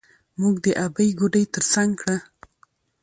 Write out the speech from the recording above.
موږ د ابۍ ګودى تر څنګ کړه.